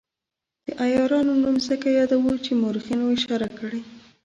د عیارانو نوم ځکه یادوو چې مورخینو اشاره کړې.